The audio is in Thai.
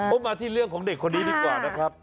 มาที่เรื่องของเด็กคนนี้ดีกว่านะครับ